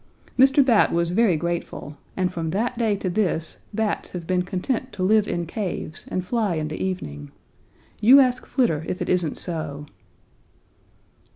"Mr. Bat was very grateful, and from that day to this, Bats have been content to live in caves and fly in the evening. You ask Flitter if it isn't so."